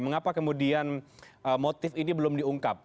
mengapa kemudian motif ini belum diungkap